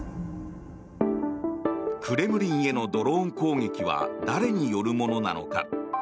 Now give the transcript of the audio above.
クレムリンへのドローン攻撃は誰によるものなのか。